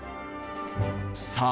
さあ